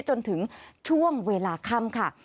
จนถึงช่วงเวลาค่ำค่ะ